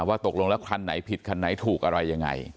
ตกลงแล้วคันไหนผิดคันไหนถูกอะไรยังไง